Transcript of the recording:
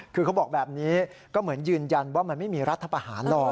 คือเขาบอกแบบนี้ก็เหมือนยืนยันว่ามันไม่มีรัฐประหารหรอก